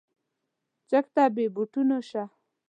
چک ته بې بوټونو شه.